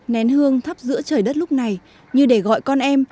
nén hương thắp giữa trời đất lúc này như để gọi con em